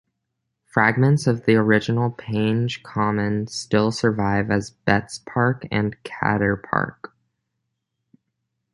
Fragments of the original Penge Common still survive as Betts Park and Cator Park.